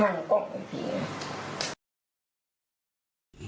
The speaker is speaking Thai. มั่นกลงอีกอย่าง